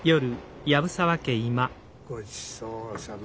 ごちそうさま。